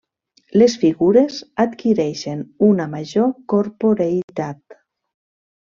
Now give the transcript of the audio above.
Les figures adquireixen una major corporeïtat.